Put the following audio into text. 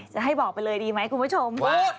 จะให้บอกไปเลยดีไหมคุณผู้ชมว่า